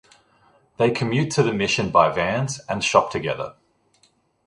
They commute to the mission by vans and shop together.